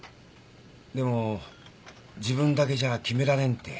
でも自分だけじゃ決められんって。